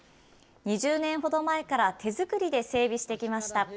２０年ほど前から手作りで整備してきました。